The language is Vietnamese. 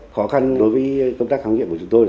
khó khăn đối với công tác khám nghiệm của chúng tôi